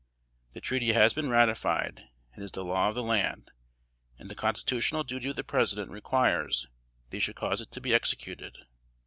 The treaty has been ratified, and is the law of the land; and the constitutional duty of the President requires that he should cause it to be executed.